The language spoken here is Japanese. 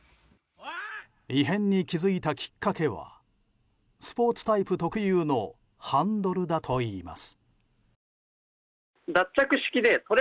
異変に気づいたきっかけはスポーツタイプ特有のハンドルだといいます。